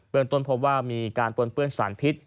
เบื้องต้นพบว่ามีการปล้นเปื้อนสารพิษ